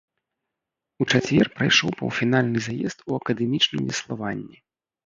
У чацвер прайшоў паўфінальны заезд у акадэмічным веславанні.